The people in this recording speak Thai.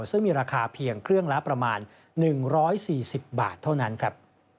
ซึ่งมีราคาเพียงเครื่องละประมาณ๑๔๐บาทเท่านั้นครับ